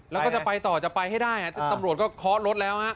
แล้วก็จะไปต่อจะไปให้ได้ตำรวจก็เคาะรถแล้วฮะ